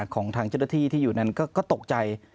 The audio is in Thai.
ของทางเจ้าหน้าที่ที่อยู่นั้นก็ตกใจ